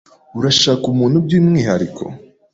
Urashaka umuntu byumwihariko?